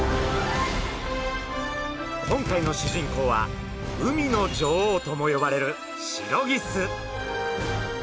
今回の主人公は海の女王とも呼ばれるシロギス。